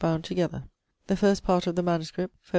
bound together. The first part of the MS. (foll.